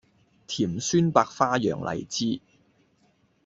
甜酸百花釀荔枝